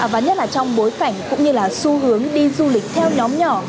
và nhất là trong bối cảnh cũng như là xu hướng đi du lịch theo nhóm nhỏ